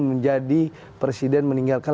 menjadi presiden meninggalkan